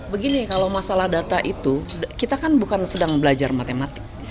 begini kalau masalah data itu kita kan bukan sedang belajar matematik